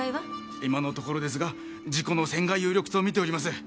今のところですが事故の線が有力とみております。